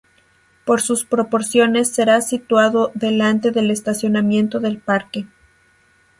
Por sus proporciones será situado delante del estacionamiento del parque.